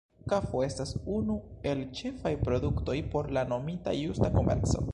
Kafo estas unu el ĉefaj produktoj por la nomita Justa komerco.